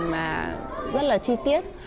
mà rất là chi tiết